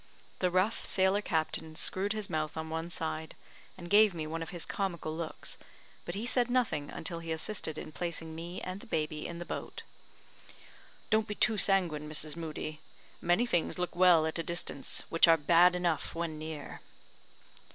The rough sailor captain screwed his mouth on one side, and gave me one of his comical looks, but he said nothing until he assisted in placing me and the baby in the boat. "Don't be too sanguine, Mrs. Moodie; many things look well at a distance which are bad enough when near."